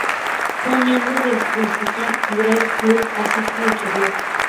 Fue miembro del Princeton Charter Club así como cheerleader.